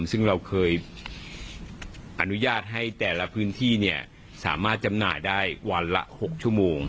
ซึ่งเราเคยอนุญาตให้แต่ละพื้นที่สามารถจำหน่ายได้วันละ๖ชั่วโมง